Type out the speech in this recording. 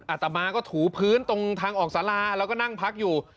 อาตมาก็ถูพื้นตรงทางออกสาราแล้วก็นั่งพักอยู่